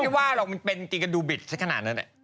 ไม่ว่าหรอกมันเป็นกีกระดูกบิดซะขนาดนั้น